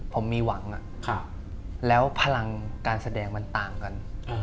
ผมมีหวังแล้วพลังการแสดงมันต่างกัน